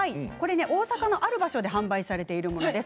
大阪のある場所で販売されているものです。